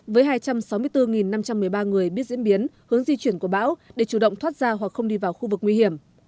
với hai trăm sáu mươi bốn năm trăm một mươi ba người biết diễn biến hướng di chuyển của bão để chủ động thoát ra hoặc không đi vào khu vực nguy hiểm